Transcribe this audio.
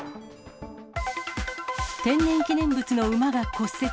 天然記念物の馬が骨折。